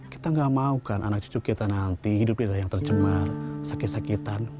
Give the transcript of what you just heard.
kita gak mau kan anak cucu kita nanti hidup kita yang tercemar sakit sakitan